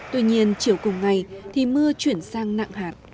tuy nhiên chiều cùng ngày thì mưa chuyển sang nặng hạt